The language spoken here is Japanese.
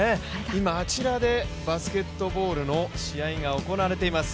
今、あちらでバスケットボールの試合が行われています。